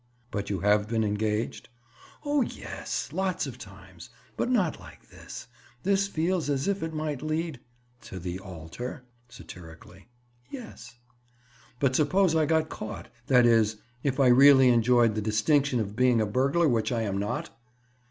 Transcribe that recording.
"But you have been engaged?" "Oh, yes. Lots of times. But not like this. This feels as if it might lead—" "To the altar?" Satirically. "Yes." "But suppose I got caught?—that is, if I really enjoyed the distinction of being a burglar which I am not?"